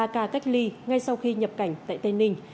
ba ca cách ly ngay sau khi nhập cảnh tại tây ninh